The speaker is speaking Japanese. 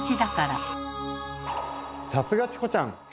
さすがチコちゃん！